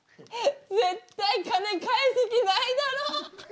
絶対金返す気ないだろ。